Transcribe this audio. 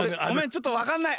ちょっとわかんない。